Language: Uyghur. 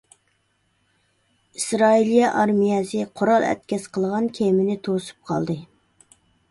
ئىسرائىلىيە ئارمىيەسى قورال ئەتكەس قىلغان كېمىنى توسۇپ قالدى.